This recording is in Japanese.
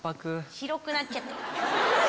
白くなっちゃった。